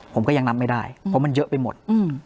ผมก็ยังนับไม่ได้เพราะมันเยอะไปหมด